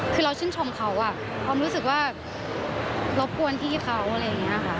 คือเราชื่นชมเขาความรู้สึกว่ารบกวนพี่เขาอะไรอย่างนี้ค่ะ